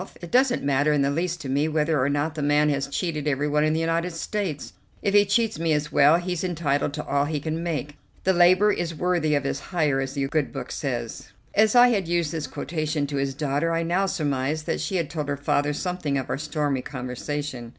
It doesn't matter in the least to me whether or not the man has cheated everyone in the United States. If he cheats me as well, he's entitled to all he can make. 'The laborer is worthy of his hire,' as the good Book says." As I had used this quotation to his daughter, I now surmised that she had told her father something of our stormy conversation.